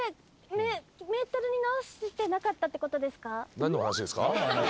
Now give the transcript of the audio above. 何の話ですか？